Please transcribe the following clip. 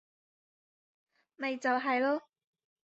咪就係囉